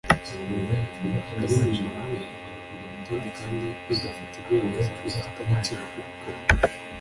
Nyir imirimo nawe amanika urwo rutonde kandi igafata ibyemezo bifite agaciro uko